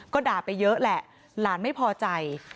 ก็ด่าไปเยอะแหละหลานไม่พอใจ